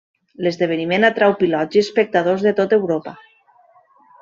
L'esdeveniment atrau pilots i espectadors de tot Europa.